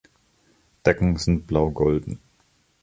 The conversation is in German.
Decken sind blau-golden.